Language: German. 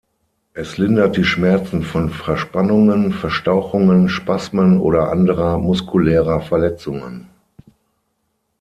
Es lindert die Schmerzen von Verspannungen, Verstauchungen, Spasmen oder anderer muskulärer Verletzungen.